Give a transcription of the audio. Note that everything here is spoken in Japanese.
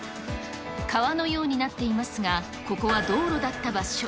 川のようになっていますが、ここは道路だった場所。